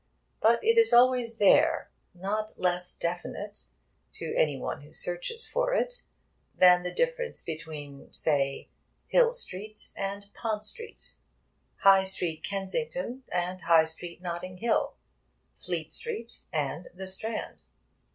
But it is always there, not less definite to any one who searches for it than the difference between (say) Hill Street and Pont Street, High Street Kensington and High Street Notting Hill, Fleet Street and the Strand.